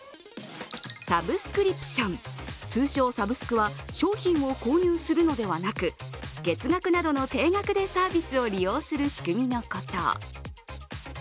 サブスクリプション、通常、サブスクは商品などを購入するのではなくて月額などの定額でサービスを利用する仕組みのこと。